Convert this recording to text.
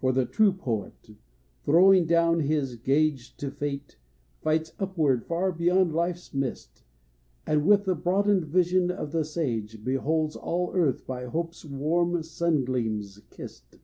For the true poet, throwing down his gage To fate, fights upwards far beyond life's mist, And with the broadened vision of the sage Beholds all earth by hope's warm sungleams kissed.